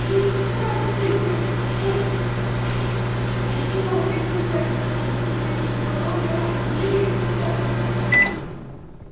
Return to your books. I'm glad you possess a consolation, for all you had in me is gone."